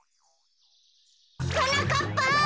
はなかっぱ！